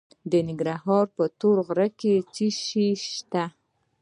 د ننګرهار په تور غره کې څه شی شته؟